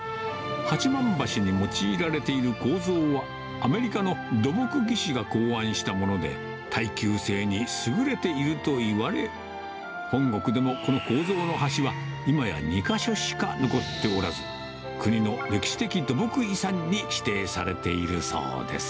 八幡橋に用いられている構造は、アメリカの土木技師が考案したもので、耐久性に優れているといわれ、本国でもこの構造の橋は、今や２か所しか残っておらず、国の歴史的土木遺産に指定されているそうです。